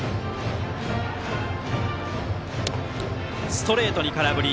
ストレートに空振り。